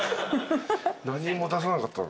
何も出さなかった。